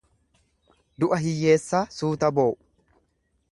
Du'a hiyyeessaa suuta boo'u.